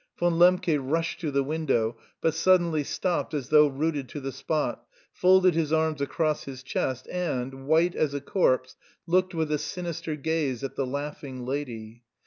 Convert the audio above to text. Von Lembke rushed to the window, but suddenly stopped as though rooted to the spot, folded his arms across his chest, and, white as a corpse, looked with a sinister gaze at the laughing lady.